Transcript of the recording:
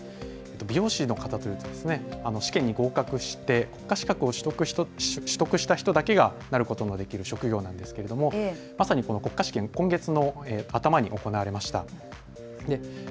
美容師の方というと試験に合格して国家資格を取得した人だけがなることができる職業なんですけれどもまさにこの国家試験、今月の頭に行われました。